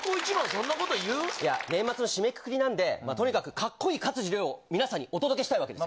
いや、年末の締めくくりなんで、とにかくかっこいい勝地涼を皆さんにお届けしたいわけです。